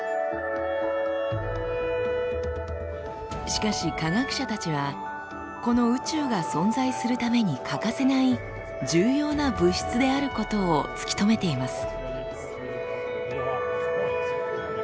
しかし科学者たちはこの宇宙が存在するために欠かせない重要な物質であることを突き止めています。